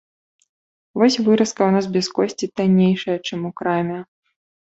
Вось выразка ў нас без косці таннейшая, чым у краме.